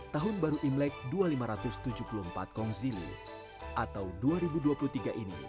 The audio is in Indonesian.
tahun baru imlek dua ribu lima ratus tujuh puluh empat kongzili atau dua ribu dua puluh tiga ini